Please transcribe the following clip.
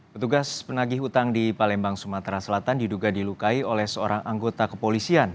petugas penagih hutang di palembang sumatera selatan diduga dilukai oleh seorang anggota kepolisian